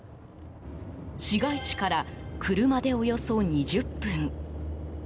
市街地から車でおよそ２０分。